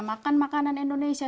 makan makanan indonesia